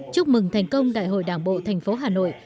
chúc mừng thành công đại hội đảng bộ tp hà nội